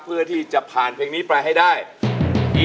เพื่อที่จะผ่านเพลงนี้ไปให้ได้